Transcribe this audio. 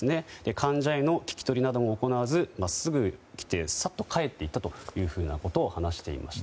患者への聞き取りなども行わずすぐ来て、さっと帰っていったと話していました。